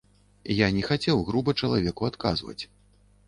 Я не хацеў груба чалавеку адказваць.